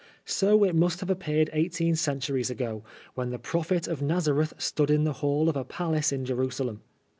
So it must have appeared eighteen cen turies ago, when the Prophet of Nazareth stood in the hall of a palace in Jerusalem.